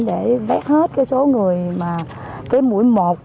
để vẽ hết cái số người mà cái mũi một